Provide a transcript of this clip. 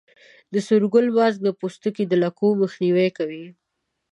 د سور ګل ماسک د پوستکي د لکو مخنیوی کوي.